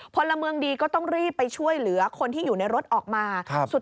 พลเมืองดีก็ต้องรีบไปช่วยเหลือคนที่อยู่ในรถออกมา